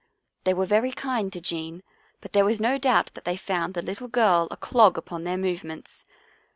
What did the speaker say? They were very kind to Jean, but there was no doubt that they found the little girl a clog upon their movements.